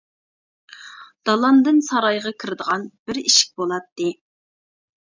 دالاندىن سارايغا كىرىدىغان بىر ئىشىك بولاتتى.